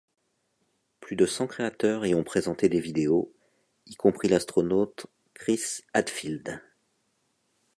Plus de cent créateurs y ont présenté des vidéos, y compris l’astronaute Chris Hadfield.